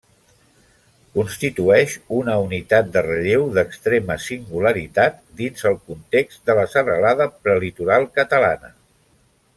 Constitueix una unitat de relleu d'extrema singularitat dins el context de la serralada prelitoral catalana.